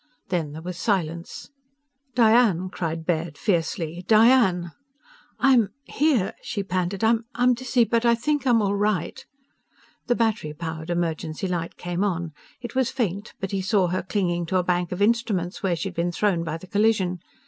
Then there was silence. "Diane!" cried Baird fiercely. "Diane!" "I'm ... here," she panted. "I'm dizzy, but I ... think I'm all right " The battery powered emergency light came on. It was faint, but he saw her clinging to a bank of instruments where she'd been thrown by the collision.